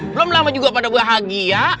belum lama juga pada bahagia